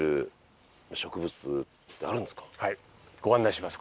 はいご案内します